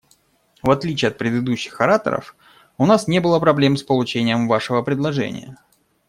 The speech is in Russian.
В отличие от предыдущих ораторов, у нас не было проблем с получением Вашего предложения.